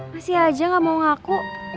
ngasih aja gak mau ngaku